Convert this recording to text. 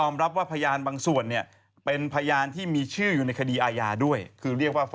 ขณะตอนอยู่ในสารนั้นไม่ได้พูดคุยกับครูปรีชาเลย